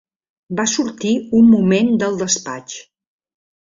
Va sortir un moment del despatx.